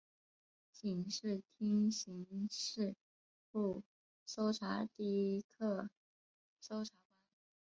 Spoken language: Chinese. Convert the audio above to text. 警视厅刑事部搜查第一课搜查官。